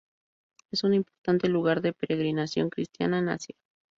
Es un importante lugar de peregrinación cristiana en Asia.